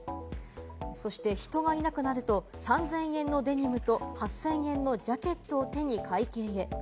そして人がいなくなると、３０００円のデニムと８０００円のジャケットを手に会計へ。